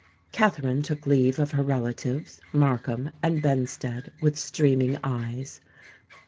Katherine took leave of her relatives, Markham, and Benstead, with streaming eyes.